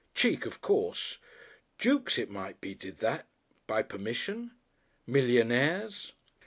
Cheek of course! Dukes, it might be, did that by permission? Millionnaires?...